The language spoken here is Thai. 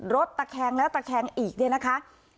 รถตะแคงและตะแคงอีกนี่นะคะ